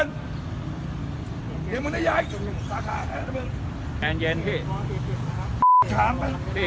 เชื่อเข่าไหมล่ะ